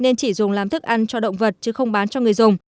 nên chỉ dùng làm thức ăn cho động vật chứ không bán cho người dùng